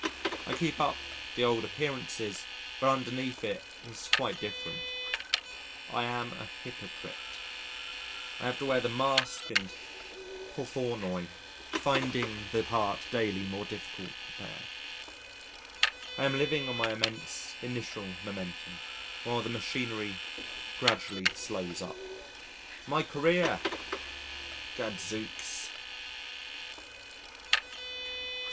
I keep up the old appearances but underneath it is quite different. I am a hypocrite. I have to wear the mask and cothornoi, finding the part daily more difficult to bear. I am living on my immense initial momentum while the machinery gradually slows up. My career! Gadzooks.